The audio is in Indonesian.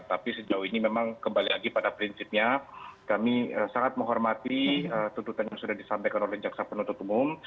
tapi sejauh ini memang kembali lagi pada prinsipnya kami sangat menghormati tuntutan yang sudah disampaikan oleh jaksa penuntut umum